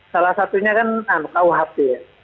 salah satunya kan kuhp